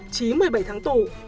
chí một mươi bảy tháng tù